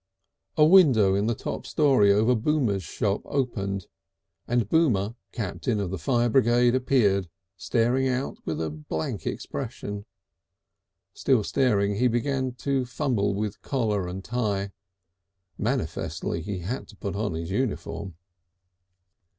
A window in the top story over Boomer's shop opened, and Boomer, captain of the Fire Brigade, appeared, staring out with a blank expression. Still staring, he began to fumble with his collar and tie; manifestly he had to put on his uniform.